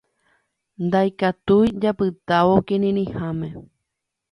Ndaikatúi japytávo kirirĩháme.